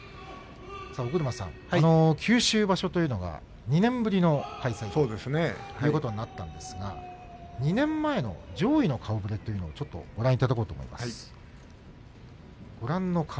尾車さん、九州場所というのは２年ぶりの開催ということになったんですが２年前の上位の顔ぶれをご覧いただこうと思います。